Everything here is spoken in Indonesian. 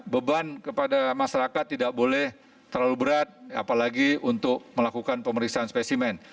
beban kepada masyarakat tidak boleh terlalu berat apalagi untuk melakukan pemeriksaan spesimen